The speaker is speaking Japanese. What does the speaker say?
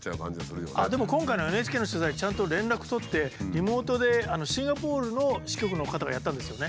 でも今回のＮＨＫの取材ちゃんと連絡取ってリモートでシンガポールの支局の方がやったんですよね。